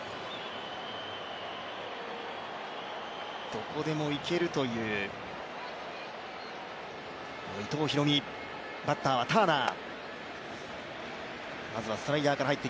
どこでもいけるという伊藤大海、バッターはターナー。